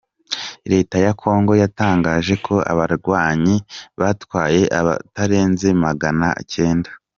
Leta ya kongo yatangaje ko abarwanyi batwaye Abatarenze Magana kenda